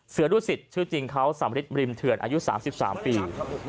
เสือรุศิษย์ชื่อจริงเขาสำริดบริมเถือนอายุ๓๓ปี